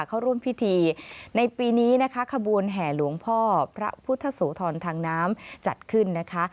เข้าร่วมพิธีในปีนี้นะคะขบวนแห่หลวงพ่อพระพุทธโสธรทางน้ำจัดขึ้นนะคะ